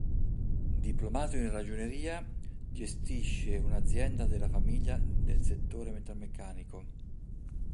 Diplomato in ragioneria, gestisce una azienda della famiglia del settore metalmeccanico.